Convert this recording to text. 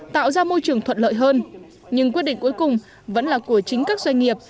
tạo ra môi trường thuận lợi hơn nhưng quyết định cuối cùng vẫn là của chính các doanh nghiệp